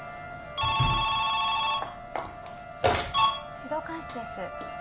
☎指導官室です。